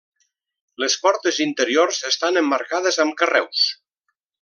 Les portes interiors estan emmarcades amb carreus.